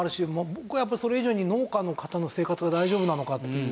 僕はやっぱそれ以上に農家の方の生活が大丈夫なのかっていう。